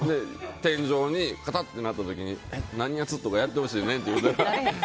天井にパカッてなった時になにやつ！とかやってほしいねんって。